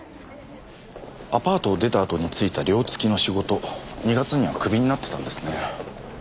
アパートを出たあとに就いた寮付きの仕事２月にはクビになってたんですね。